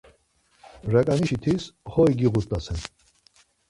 Raǩanişi tis oxori giğut̆asen.